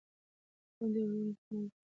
د خویندو او وروڼو ترمنځ مینه وساتئ.